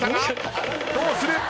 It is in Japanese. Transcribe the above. どうする？